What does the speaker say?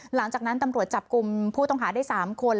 หลังจากนั้นตำรวจจับกลุ่มผู้ต้องหาได้๓คน